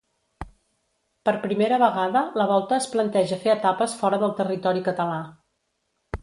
Per primera vegada la Volta es planteja fer etapes fora del territori català.